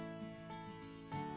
kamu nggak usah ikutin aku lagi